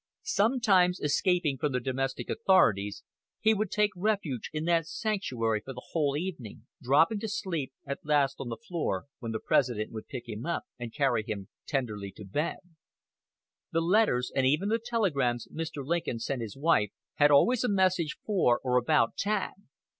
Sometimes, escaping from the domestic authorities, he would take refuge in that sanctuary for the whole evening, dropping to sleep at last on the floor, when the President would pick him up, and carry him tenderly to bed." The letters and even the telegrams Mr. Lincoln sent his wife had always a message for or about Tad.